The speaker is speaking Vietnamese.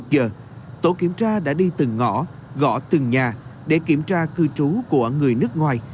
một giờ tổ kiểm tra đã đi từng ngõ gõ từng nhà để kiểm tra cư trú của người nước ngoài